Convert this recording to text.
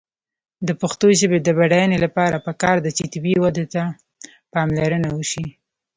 د پښتو ژبې د بډاینې لپاره پکار ده چې طبیعي وده ته پاملرنه وشي.